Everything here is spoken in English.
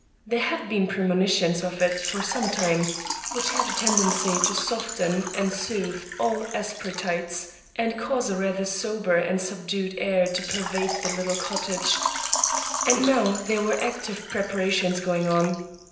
There had been premonitions of it for some time, which had a tendency to soften and soothe all asperities, and cause a rather sober and subdued air to pervade the little cottage, and now there were active preparations going on.